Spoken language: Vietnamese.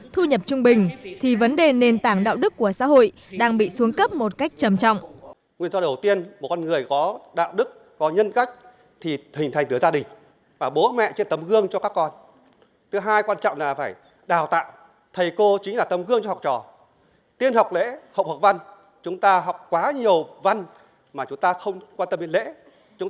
thu nhập trung bình thì vấn đề nền tảng đạo đức của xã hội đang bị xuống cấp một cách trầm trọng